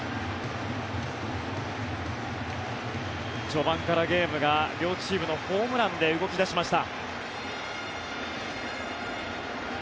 序盤からゲームが両チームのホームランで動き出しました。